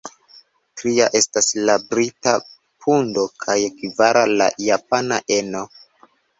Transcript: Tria estas la brita pundo kaj kvara la japana eno.